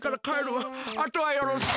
あとはよろしく。